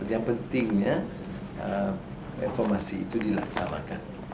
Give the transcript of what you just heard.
yang pentingnya informasi itu dilaksanakan